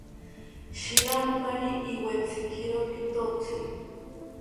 Shiranpari iwetzikiro pitotzi